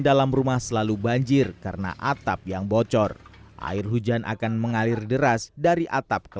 dalam rumah selalu banjir karena atap yang bocor air hujan akan mengalir deras dari atap ke